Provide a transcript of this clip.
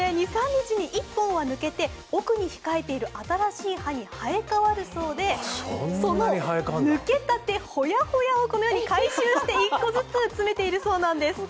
２３日に１本は抜けて奥に控えている新しい歯に生えかわるそうで、その抜けたてほやほやをこのように回収して１個ずつ詰めているそうなんです。